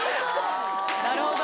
なるほど。